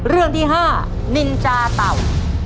เรื่องที่๕นินจาเต่า